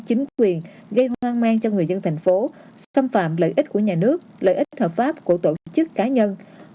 chính quyền gây hoang mang cho người dân thành phố xâm phạm lợi ích của nhà nước lợi ích hợp pháp của tổ chức cá nhân